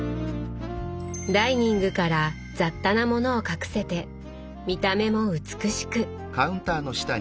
ダイニングから雑多なものを隠せて見た目も美しく。